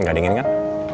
gak dingin kan